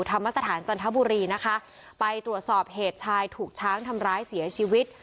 ธรรมสถานจันทบุรีนะคะไปตรวจสอบเหตุชายถูกช้างทำร้ายเสียชีวิต